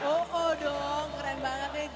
oh dong keren banget ya jack